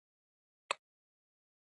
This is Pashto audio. دا په نورو چارو کې د مداخلې نشتون دی.